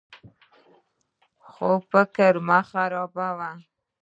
خو فکر مه خرابوه.